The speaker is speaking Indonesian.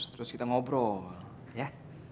terus kita ngobrol ya